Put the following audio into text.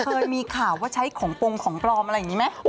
เคยมีข่าวว่าใช้ของปงของปลอมอะไรอย่างนี้ไหม